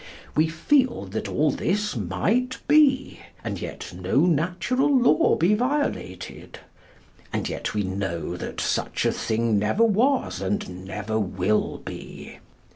We feel that all this might be, and yet no natural law be violated; and yet we know that such a thing never was and never will be.